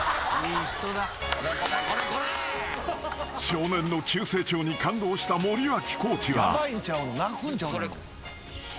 ［少年の急成長に感動した森脇コーチは］